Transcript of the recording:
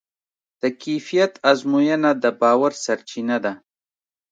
د کیفیت ازموینه د باور سرچینه ده.